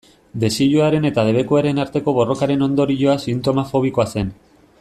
Desioaren eta debekuaren arteko borrokaren ondorioa sintoma fobikoa zen.